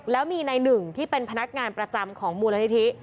แล้วมีในหนึ่งที่เป็นพนักงานประจำของมูลนิธิ